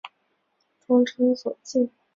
通称左近。